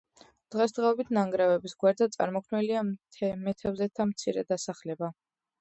დღესდღეობით ნანგრევების გვერდზე წარმოქმნილია მეთევზეთა მცირე დასახლება.